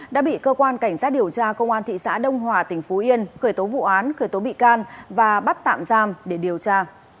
đã bị cơ quan cảnh sát điều tra công an thị xã đông hòa tỉnh phú yên khởi tố vụ án khởi tố bị can và bắt tạm giam để điều tra